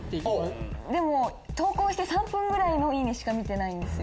でも投稿して３分ぐらいのいいねしか見てないんですよ。